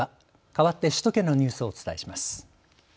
かわって首都圏のニュースをお伝えします。